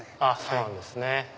そうなんですね。